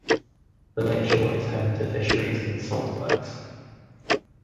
The lake shore is home to fisheries and saltworks.